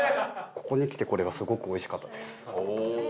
ここにきてこれがすごく美味しかったです。